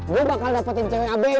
gue bakal dapatin cewek abg kel